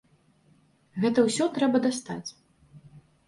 Гэта ўсё трэба дастаць.